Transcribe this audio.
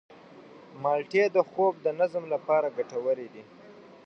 مالټې د خوب د نظم لپاره ګټورې دي.